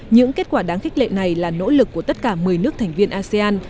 những kết quả đáng khích lệ này là nỗ lực của tất cả một mươi nước thành viên asean